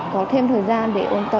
có thêm thời gian để ôn tập